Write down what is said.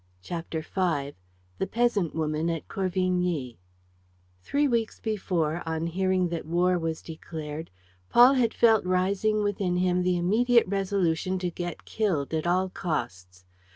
CHAPTER V THE PEASANT WOMAN AT CORVIGNY Three weeks before, on hearing that war was declared, Paul had felt rising within him the immediate resolution to get killed at all costs.